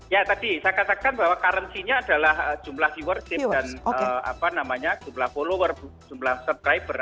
ya tadi saya katakan bahwa karansinya adalah jumlah viewership dan apa namanya jumlah followers jumlah subscriber